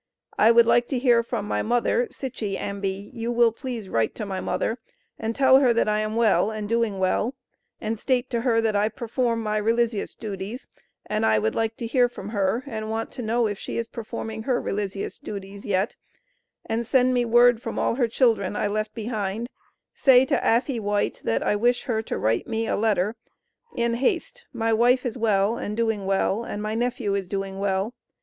I would like to hear from my mother sichy Ambie you will Please write to my mother and tell her that I am well and doing well and state to her that I perform my Relissius dutys and I would like to hear from her and want to know if she is performing her Relissius dutys yet and send me word from all her children I left behind say to affey White that I wish her to write me a Letter in Hast my wife is well and doing well and my nephew is doing well.